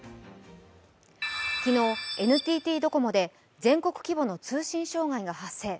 昨日、ＮＴＴドコモで全国規模の通信障害が発生。